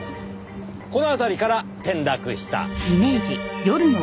この辺りから転落した。